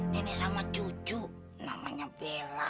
nenek sama cucu namanya bella